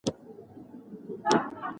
پوهه د انسان فکر پراخوي.